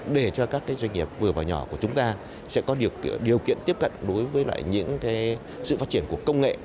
để cho các doanh nghiệp vừa vào nhỏ của chúng ta sẽ có điều kiện tiếp cận đối với những cái sự phát triển của công nghệ